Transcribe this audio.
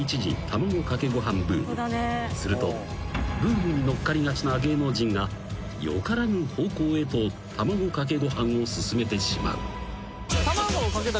［するとブームに乗っかりがちな芸能人がよからぬ方向へと卵かけご飯を進めてしまう］